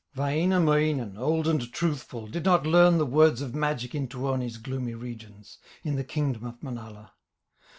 Wainamoinen, old and truthful, Did not learn the words of magic In Tuoni's gloomy regions, In the kingdom of Manala.